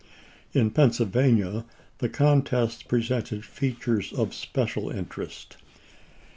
In Pennsylvania the contest presented features of special interest.